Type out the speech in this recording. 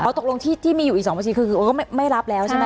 ตกลงที่มีอยู่อีก๒บัญชีคือเขาไม่รับแล้วใช่ไหม